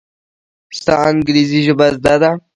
ستا انګرېزي ژبه زده ده!